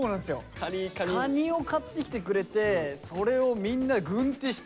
カニを買ってきてくれてそれをみんなうわいいですね。